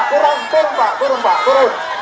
turun pak turun turun pak turun